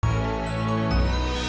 iku ingin niese munculkan dalam nyawa